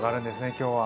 今日は。